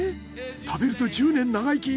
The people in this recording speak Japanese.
食べると１０年長生き！？